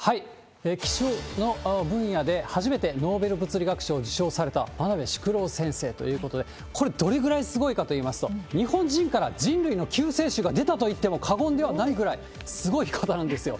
気象の分野で初めてノーベル物理学賞を受賞された真鍋叔郎先生ということで、これ、どのくらいすごいかといいますと、日本人から人類の救世主が出たといっても過言ではないぐらい、すごい方なんですよ。